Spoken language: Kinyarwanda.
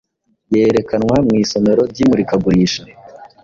yerekanwa mu isomero ryimurikagurisha